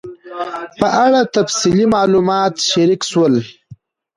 په اړه تفصیلي معلومات شریک سول